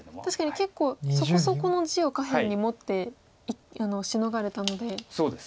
確かに結構そこそこの地を下辺に持ってシノがれたので。